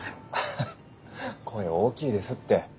ハハッ声大きいですって。